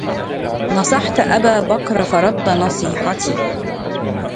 نصحت أبا بكر فرد نصيحتي